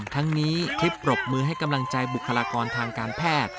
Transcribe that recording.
ทั้งนี้คลิปปรบมือให้กำลังใจบุคลากรทางการแพทย์